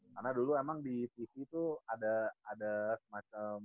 karena dulu emang di sisi tuh ada ada semacam